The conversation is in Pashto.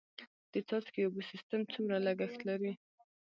د څاڅکي اوبو سیستم څومره لګښت لري؟